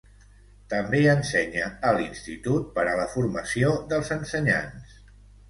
També ensenya a l'institut per a la formació dels ensenyants.